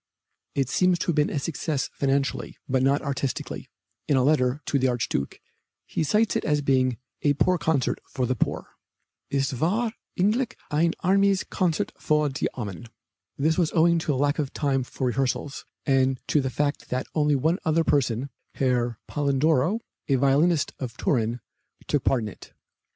It seems to have been a success financially, but not artistically. In a letter to the Archduke he cites it as being "a poor concert for the poor." "Es war eigentlich ein armes Koncert für die Armen." This was owing to lack of time for rehearsals, and to the fact that only one other person, Herr Polledro, a violinist of Turin, took part in it.